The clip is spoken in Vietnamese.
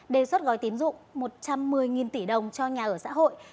đề xuất gói tín dụng một trăm một mươi tỷ đồng cho nhà ở xã hội